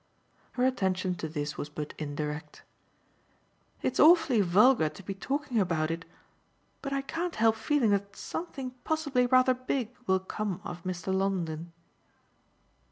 Her attention to this was but indirect. "It's awfully vulgar to be talking about it, but I can't help feeling that something possibly rather big will come of Mr. Longdon."